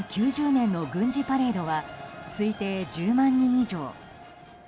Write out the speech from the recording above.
９０年の軍事パレードは推定１０万人以上。